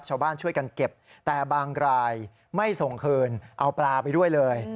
ชาวบ้านช่วยกันเก็บแต่บางรายไม่ส่งคืนเอาปลาไปด้วยเลย